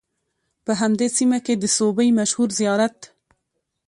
په همدې سیمه کې د سوبۍ مشهور زیارت